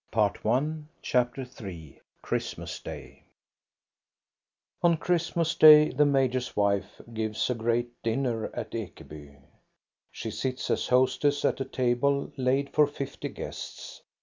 CHRISTMAS DAY 49 CHAPTER III CHRISTMAS DAY On Christmas day the major's wife gives a great dinner at Ekeby. She sits as hostess at a table laid for fifty guests.